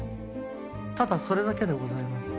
ただそれだけでございます。